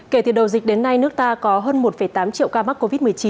kể từ đầu dịch đến nay nước ta có hơn một tám triệu ca mắc covid một mươi chín